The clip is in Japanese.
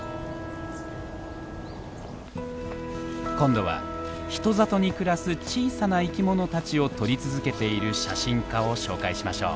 今度は人里に暮らす小さな生きものたちを撮り続けている写真家を紹介しましょう。